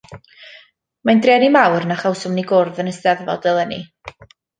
Mae'n drueni mawr na chawsom ni gwrdd yn y Steddfod eleni.